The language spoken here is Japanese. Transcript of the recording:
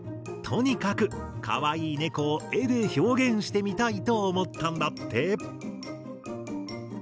とにかくカワイイネコを絵で表現してみたいと思ったんだって。